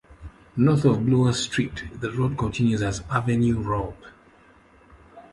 North of Bloor Street, the road continues as Avenue Road.